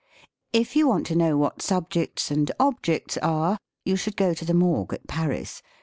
If you want to know what subjects and objects are, you should go to the Morgue at Paris.